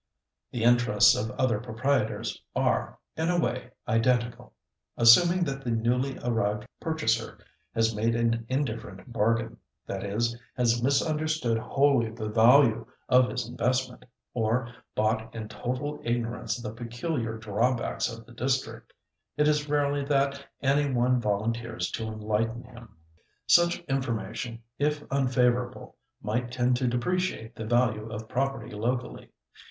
The interests of other proprietors are, in a way, identical. Assuming that the newly arrived purchaser has made an indifferent bargain—that is, has misunderstood wholly the value of his investment, or bought in total ignorance of the peculiar drawbacks of the district, it is rarely that any one volunteers to enlighten him. Such information, if unfavourable, might tend to depreciate the value of property locally.